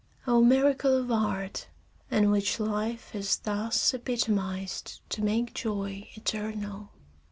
Oh, miracle of art, in which life is thus epitomized to make joy eternal!